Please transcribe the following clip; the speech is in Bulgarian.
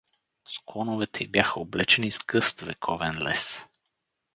Склоновете й бяха облечени с гъст вековен лес.